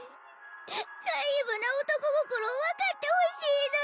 ナイーブな男心を分かってほしいのに。